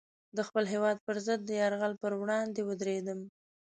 د خپل هېواد پر ضد د یرغل پر وړاندې ودرېدم.